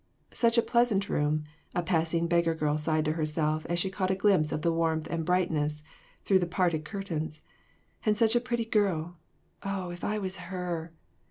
" Such a pleasant room !" a passing beggar girl sighed to herself as she caught a glimpse of the warmth and brightness through the parted curtains ;" and such a pretty girl ! Oh, if I was her!"